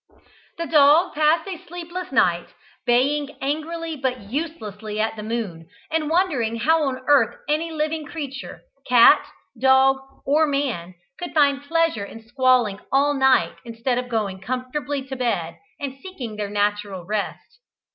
The dog passed a sleepless night, baying angrily but uselessly at the moon, and wondering how on earth any living creature, cat, dog, or man, could find pleasure in squalling all night instead of going comfortably to bed, and seeking their natural rest.